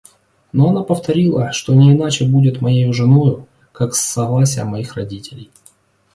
Но она повторила, что не иначе будет моею женою, как с согласия моих родителей.